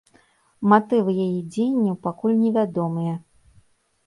Матывы яе дзеянняў пакуль невядомыя.